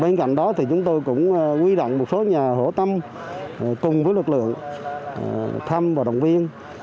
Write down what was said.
bên cạnh đó thì chúng tôi cũng quy động một số nhà hỗ tâm cùng với lực lượng thăm và động viên